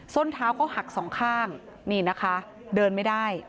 ้นเท้าเขาหักสองข้างนี่นะคะเดินไม่ได้